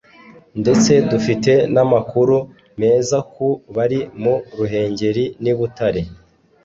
ndetse dufite n’amakuru meza ku bari mu Ruhengeri n’i Butare